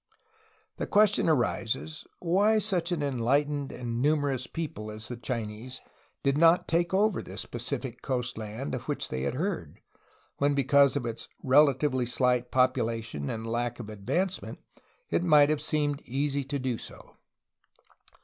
The question arises, why such an enhghtened and numer ous people as the Chinese did not take over this Pacific coast land of which they had heard, when because of its relatively shght population and lack of advancement it might have seemed easy to do so.